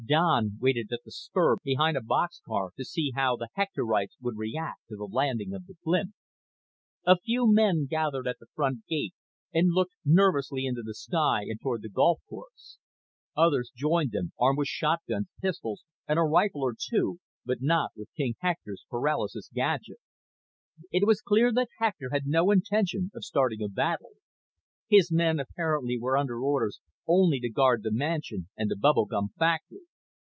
Don waited at the spur, behind a boxcar, to see how the Hectorites would react to the landing of the blimp, A few men gathered at the front gate and looked nervously into the sky and toward the golf course. Others joined them, armed with shotguns, pistols, and a rifle or two, but not with King Hector's paralysis gadget. It was clear that Hector had no intention of starting a battle. His men apparently were under orders only to guard the mansion and the bubble gum factory.